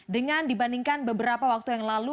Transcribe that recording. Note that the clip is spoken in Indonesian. dengan dibandingkan beberapa waktu yang lalu